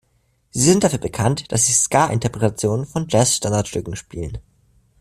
Sie sind dafür bekannt, dass sie Ska-Interpretationen von Jazz-Standardstücken spielen.